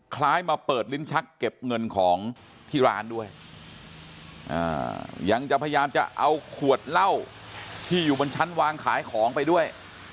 คล้ายมาเปิดลิ้นชักเก็บเงินของที่ร้านด้วยยังจะพยายามจะเอาขวดเหล้าที่อยู่บนชั้นวางขายของไปด้วย